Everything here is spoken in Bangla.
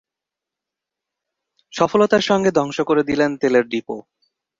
সফলতার সঙ্গে ধ্বংস করে দিলেন তেলের ডিপো।